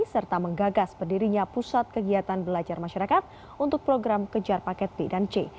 serta menggagas berdirinya pusat kegiatan belajar masyarakat untuk program kejar paket b dan c